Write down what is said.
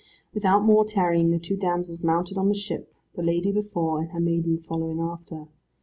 Without more tarrying the two damsels mounted on the ship, the lady before, and her maiden following after.